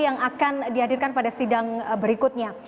yang akan dihadirkan pada sidang berikutnya